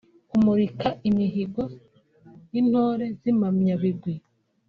kumurika imihigo y’intore z’impamyabigwi